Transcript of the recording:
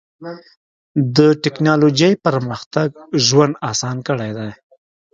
د ټکنالوجۍ پرمختګ ژوند اسان کړی دی.